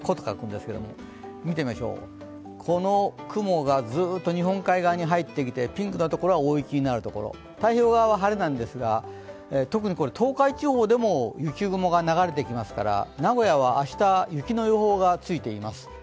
この雲がずっと日本海側に入ってきてピンクのところは大雪になるところ、太平洋側は晴れなんですが、特に東海地方でも雪雲が流れてきますから名古屋は明日、雪の予報がついています。